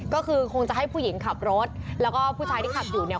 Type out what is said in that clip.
ก็คือคงจะให้ผู้หญิงขับรถแล้วก็ผู้ชายที่ขับอยู่เนี่ย